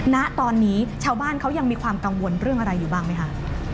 ณตอนนี้ชาวบ้านเขายังมีความกังวลเรื่องอะไรอยู่บ้างไหมคะ